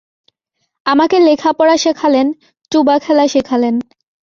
আমাকে লেখা-পড়া শেখালেন, টুবা খেলা শেখালেন।